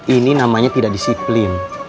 ini namanya tidak disiplin